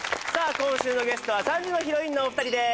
今週のゲストは３時のヒロインのお二人です